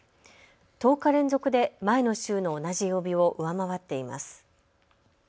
１０日連続で前の週の同じ曜日を上回っています。